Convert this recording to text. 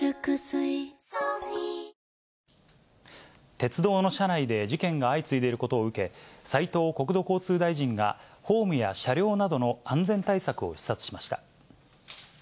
鉄道の車内で事件が相次いでいることを受け、斉藤国土交通大臣が、ホームや車両などの安全対策を視察しました。